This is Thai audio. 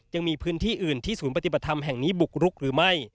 ยังมีพื้นที่อื่นที่ศูนย์ปฏิบัติธรรมแห่งนี้บุกรุกหรือไม่